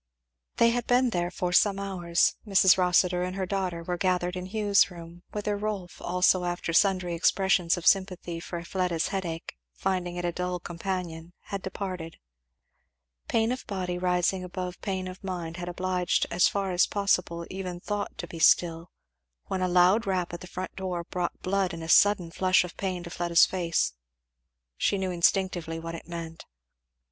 They had been there for some hours. Mrs. Rossitur and her daughter were gathered in Hugh's room; whither Rolf also after sundry expressions of sympathy for Fleda's headache, finding it a dull companion, had departed. Pain of body rising above pain of mind had obliged as far as possible even thought to be still; when a loud rap at the front door brought the blood in a sudden flush of pain to Fleda's face. She knew instinctively what it meant.